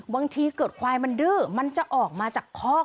บางทีเกิดควายมันดื้อมันจะออกมาจากคอก